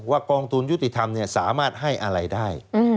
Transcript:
ว่ากองทุนยุติธรรมเนี่ยสามารถให้อะไรได้